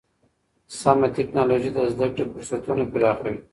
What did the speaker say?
سمه ټکنالوژي د زده کړې فرصتونه پراخوي.